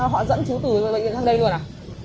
họ dẫn chú tử bệnh nhân lên đây luôn à